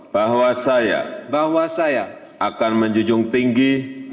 bahwa saya akan menjunjung tinggi